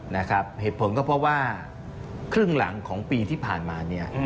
นะครับเหตุผลก็เพราะว่าครึ่งหลังของปีที่ผ่านมาเนี่ย